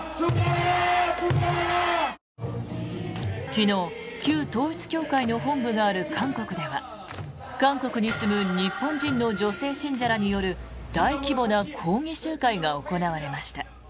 昨日、旧統一教会の本部がある韓国では韓国に住む日本人の女性信者らによる大規模な抗議集会が行われました。